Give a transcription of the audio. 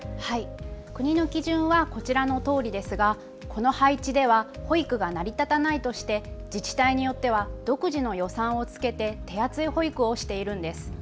国の基準はこちらのとおりですがこの配置では保育が成り立たないとして自治体によっては独自の予算をつけて手厚い保育をしているんです。